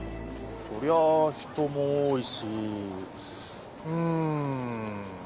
そりゃあ人も多いしうん。